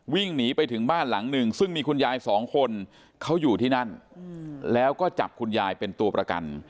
วิ่งหนีไปถึงบ้านหลังหนึ่งซึ่งมีคุณยายสองคนเขาอยู่ที่นั่นแล้วก็จับคุณยายเป็นตัวประกัน